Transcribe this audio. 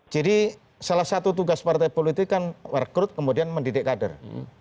jadi salah satu tugas partai politik kan rekrut kemudian mendidik kader